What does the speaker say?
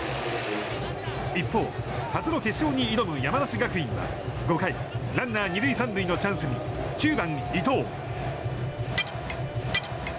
一方、初の決勝に挑む山梨学院は５回ランナー２塁３塁のチャンスに９番、伊藤。